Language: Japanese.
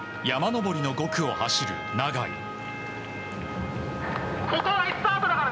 山登りの５区を走る永井。